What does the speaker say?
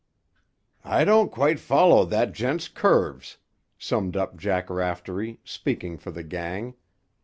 "I don't quite follow that gent's curves," summed up Jack Raftery, speaking for the gang.